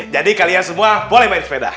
jadi kalian semua boleh main sepeda